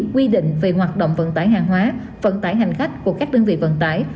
quy định về hoạt động vận tải hàng hóa vận tải hành khách của các đơn vị vận tải